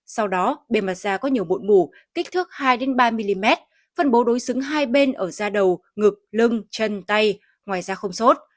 sau đó bề mặt da có nhiều bụi mủ kích thước hai ba mm phân bố đối xứng hai bên ở da đầu ngực lưng chân tay ngoài da không sốt